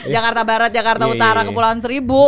jakarta barat jakarta utara kepulauan seribu